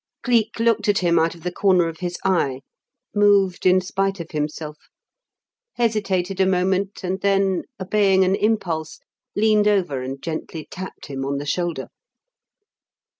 Cleek looked at him out of the corner of his eye moved in spite of himself hesitated a moment and then, obeying an impulse, leaned over and gently tapped him on the shoulder.